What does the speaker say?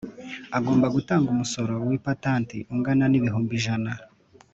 agomba gutanga umusoro w ipatanti ungana nibihumbi ijana.